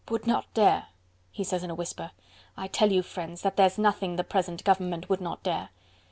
"Would not dare?..." he says in a whisper. "I tell you, friends, that there's nothing the present government would not dare.